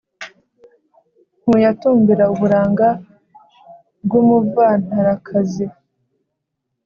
ntuyatumbira uburanga bw’umuvantarakazi;